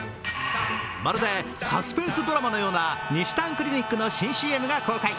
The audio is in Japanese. まるでサスペンスドラマのようなにしたんクリニックの新ＣＭが公開。